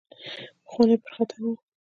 پخواني پر خطا نه وو.